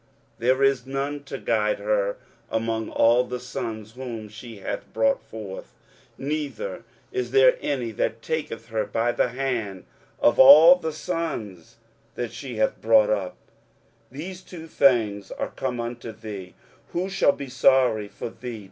23:051:018 There is none to guide her among all the sons whom she hath brought forth; neither is there any that taketh her by the hand of all the sons that she hath brought up. 23:051:019 These two things are come unto thee; who shall be sorry for thee?